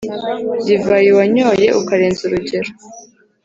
Divayi wanyoye ukarenza urugero,